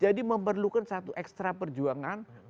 jadi memerlukan satu extra perjuangan